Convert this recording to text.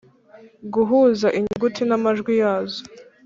-guhuza inyuguti n’amajwi yazo;